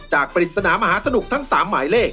ปริศนามหาสนุกทั้ง๓หมายเลข